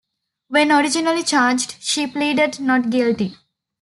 When originally charged, she pleaded not guilty.